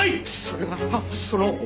それはその。